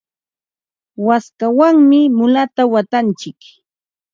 waskawanmi mulata watantsik.